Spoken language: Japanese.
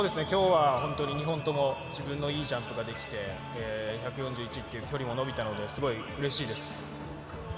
今日は本当に２本とも自分のいいジャンプができて１４１っていう距離も延びたので、すごいうれしいです。